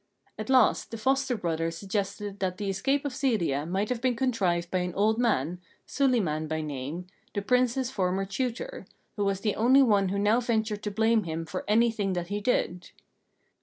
At last, the foster brother suggested that the escape of Zelia might have been contrived by an old man, Suliman by name, the Prince's former tutor, who was the only one who now ventured to blame him for anything that he did.